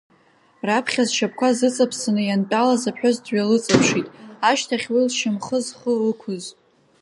Раԥхьа зшьапқәа зыҵаԥсаны иантәалаз аԥҳәыс дҩалыҵаԥшит, ашьҭахь уи лшьымхы зхы ықәыз…